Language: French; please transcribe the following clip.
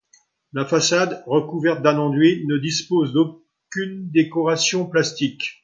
La façade, recouverte d'un enduit, ne dispose d'aucune décoration plastique.